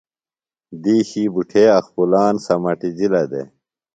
دِیشیۡ بُٹھے اخپُلان سمَٹِجِلہ دےۡ۔